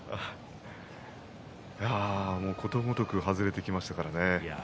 ことごとく外れてきましたからね。